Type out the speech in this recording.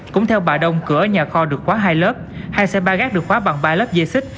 cũng theo bà đông cửa nhà kho được khóa hai lớp hai xe ba gác được khóa bằng ba lớp dây xích